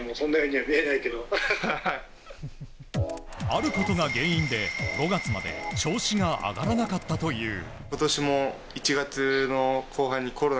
あることが原因で、５月まで調子が上がらなかったという。